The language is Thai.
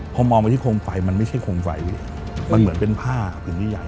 พอมองไปที่โคมไฟมันไม่ใช่โคมไฟพี่มันเหมือนเป็นผ้าผืนใหญ่